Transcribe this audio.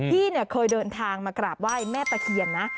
พี่เนี่ยเคยเดินทางมากราบไหว้แม่ตะเคียนนะ